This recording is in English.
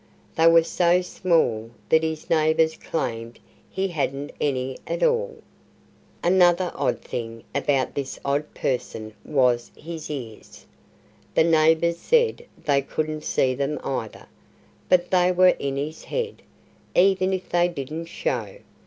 They were so small that his neighbors claimed he hadn't any at all. Another odd thing about this odd person was his ears. The neighbors said they couldn't see them, either. But they were in his head, even if they didn't show.